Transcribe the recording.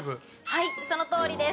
はいそのとおりです。